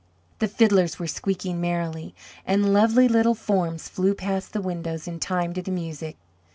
The fiddles were squeaking merrily, and lovely little forms flew past the windows in time to the music.